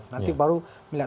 nanti baru pilih